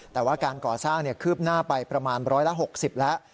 แต่ว่าการก่อสร้างคืบหน้าไปประมาณร้อยละ๖๐แล้ว